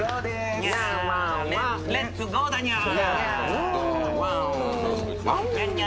レッツゴーだにゃ。